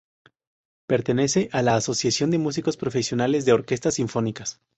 Pertenece a la Asociación de Músicos Profesionales de Orquestas Sinfónicas.